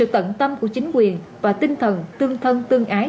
tận tâm của chính quyền và tinh thần tương thân tương ái